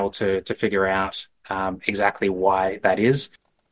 kita tidak tahu saya harus mengatakan ini